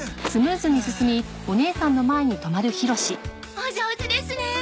お上手ですね。